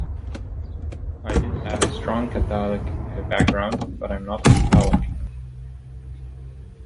I did have a strong Catholic background, but I am not a Catholic.